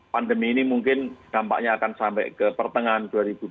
pandemi ini mungkin dampaknya akan sampai ke pertengahan dua ribu dua puluh